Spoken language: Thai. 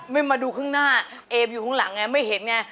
ไม่มาดูข้างหน้าเอมอยู่ข้างหลังไงไม่เห็นไง